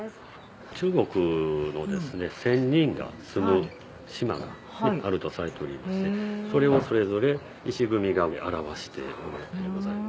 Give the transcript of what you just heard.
中国の仙人が住む島があるとされておりましてそれをそれぞれ石組みが表して。